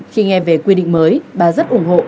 khi nghe về quy định mới bà rất ủng hộ